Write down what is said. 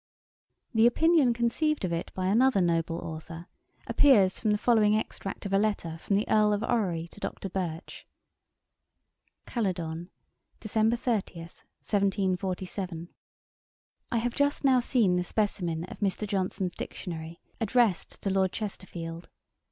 The opinion conceived of it by another noble authour, appears from the following extract of a letter from the Earl of Orrery to Dr. Birch: 'Caledon, Dec. 30, 1747. 'I have just now seen the specimen of Mr. Johnson's Dictionary, addressed to Lord Chesterfield.